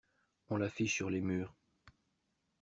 On l'affiche sur les murs.